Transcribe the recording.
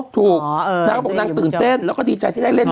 ตื่นเต้นแล้วดีใจเลยที่ได้เล่นหนัง